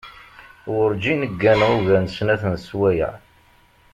Werǧin gganeɣ ugar n snat n sswayeε.